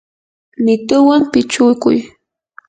mituwan pichukuy.